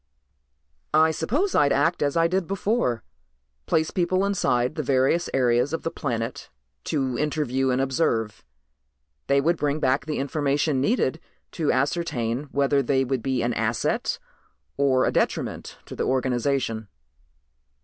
"I suppose I'd act as I did before. Place people inside the various areas of the planet to interview and observe. They would bring back the information needed to ascertain whether they would be an asset or a detriment to the organization."